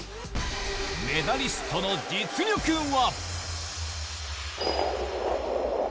メダリストの実力は。